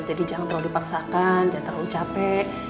jadi jangan terlalu dipaksakan jangan terlalu capek